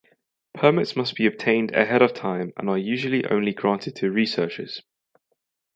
Permits must be obtained ahead of time and are usually only granted to researchers.